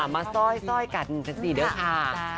มาซ่อยกันสินะค่ะ